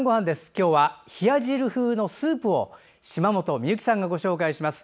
今日は冷や汁風スープを島本美由紀さんがご紹介します。